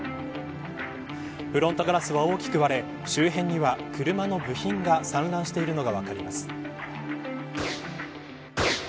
フロントガラスは大きく割れ周辺には車の部品が散乱しているのが分かります。